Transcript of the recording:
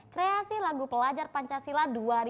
kreasi lagu pelajar pancasila dua ribu dua puluh